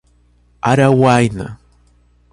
Araguaína